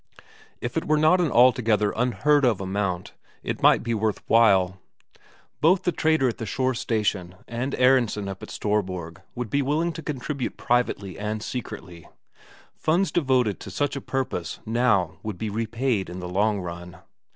If it were not an altogether unheard of amount, it might be worth while. Both the trader at the shore station and Aronsen up at Storborg would be willing to contribute privately and secretly; funds devoted to such a purpose now would be repaid in the long run.